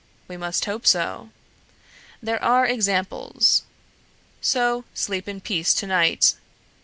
We must hope so. There are examples. So sleep in peace to night.